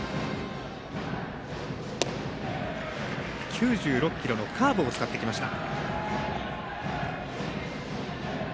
９６キロのカーブを使ってきました。